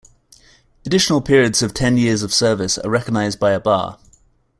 Additional periods of ten years of service are recognised by a bar.